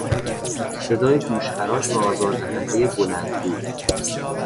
صدای گوش خراش و آزار دهندهی بلند گو